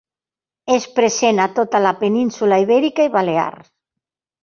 És present a tota la península Ibèrica i Balears.